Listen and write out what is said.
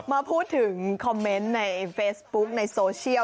มาพูดถึงคอมเมนต์ในเฟซบุ๊กในโซเชียล